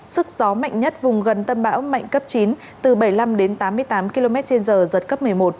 sức gió mạnh nhất vùng gần tâm bão mạnh cấp chín từ bảy mươi năm đến tám mươi tám km trên giờ giật cấp một mươi một